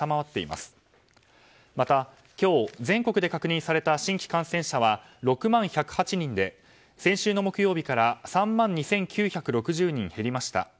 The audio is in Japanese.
また、今日、全国で確認された新規感染者は６万１０８人で先週の木曜日から３万２９６０人減りました。